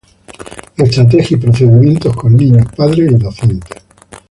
Estrategias y procedimientos con niños, padres y docentes.